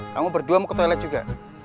kamu berdua mau ke toilet juga